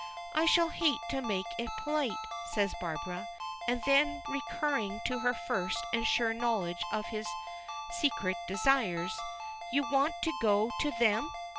"I shall hate to make it polite," says Barbara. And then, recurring to her first and sure knowledge of his secret desires, "you want to go to them?"